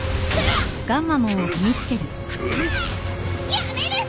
やめるさ！